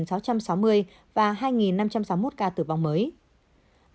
họ chấp nhận trả bất cứ giá nào để duy trì tình trạng ổn định trong một thế giới